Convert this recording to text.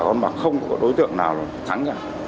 thua đã thua thì không có đối tượng nào thắng cả